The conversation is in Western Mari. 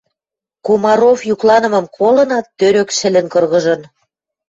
Комаров юкланымым колынат, тӧрӧк шӹлӹн кыргыжын.